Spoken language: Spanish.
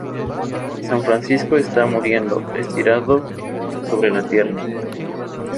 San Francisco está muriendo, estirado sobre la tierra.